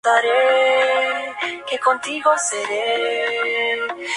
Las primeras poesías de Norton han desaparecido en su mayor parte.